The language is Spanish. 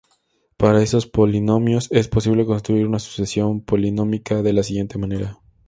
Para esos polinomios, es posible construir una sucesión polinómica de la siguiente manera.